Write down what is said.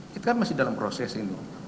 kita masih dalam proses ini